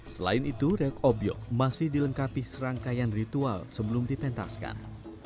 selain itu reok obyok masih dilengkapi serangkaian ritual sebelum dipentaskan